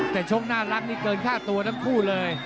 แต่ชกน่ารักนี่เกินค่าตัวทั้งคู่เลย